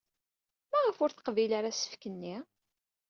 Maɣef ur teqbil ara asefk-nni?